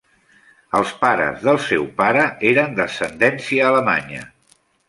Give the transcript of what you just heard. Els pares del seu pare eren d'ascendència alemanya.